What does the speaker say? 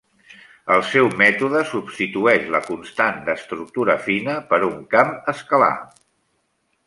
El seu mètode substitueix la constant d'estructura fina per un camp escalar.